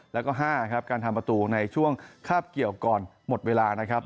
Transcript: แล้วก็๕ครับการทำประตูในช่วงคาบเกี่ยวก่อนหมดเวลานะครับ